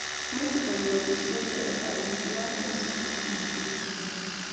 meche konyor birset nderefainik yoo maisup olegimakchini eng oret